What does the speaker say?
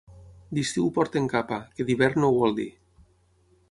D'estiu porten capa, que d'hivern no ho vol dir.